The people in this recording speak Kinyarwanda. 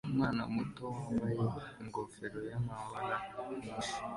Umwana muto wambaye ingofero y'amabara menshi